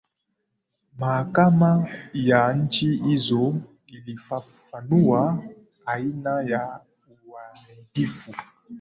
mahakama ya nchi hizo ilifafanua aina ya uharibifu